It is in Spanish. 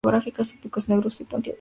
Su pico es negruzco y puntiagudo.